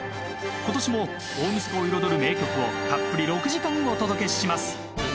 今年も大みそかを彩る名曲をたっぷり６時間お届けします。